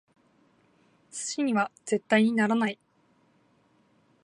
寿司には絶対にならない！